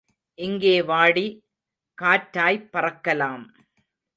இங்கே வாடி காற்றாய்ப் பறக்கலாம்.